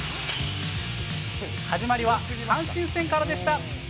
始まりは、阪神戦からでした。